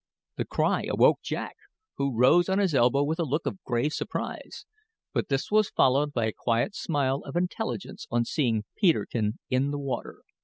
The cry awoke Jack, who rose on his elbow with a look of grave surprise; but this was followed by a quiet smile of intelligence on seeing Peterkin in the water.